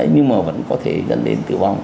nhưng mà vẫn có thể dẫn đến tử vong